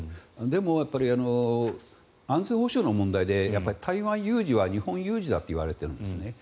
でも、安全保障の問題で台湾有事は日本有事だといわれているんですね。